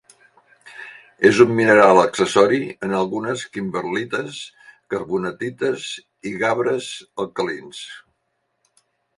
És un mineral accessori en algunes kimberlites, carbonatites i gabres alcalins.